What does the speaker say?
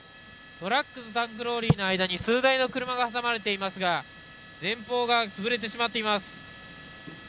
トラックとタンクローリーの間に数台の車が挟まれていますが前方がつぶれてしまっています。